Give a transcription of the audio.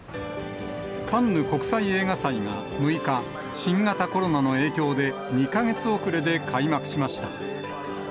カンヌ国際映画祭が６日、新型コロナの影響で、２か月遅れで開幕しました。